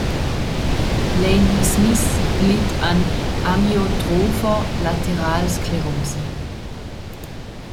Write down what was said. Lane Smith litt an Amyotropher Lateralsklerose.